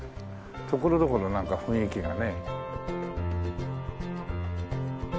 ところどころなんか雰囲気がね。